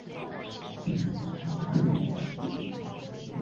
本作的背景为系列首次设定于第一次世界大战。